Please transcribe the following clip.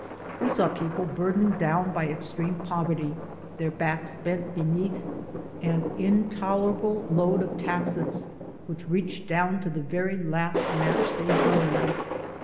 We saw people burdened down by extreme poverty, their backs bent beneath an in tolerable load of taxes, which reached down to the very last match they burned.